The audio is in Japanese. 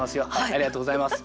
ありがとうございます。